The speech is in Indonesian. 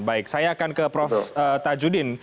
baik saya akan ke prof tajudin